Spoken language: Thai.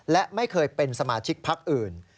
และไม่เคยเป็นสมาชิกพักอื่น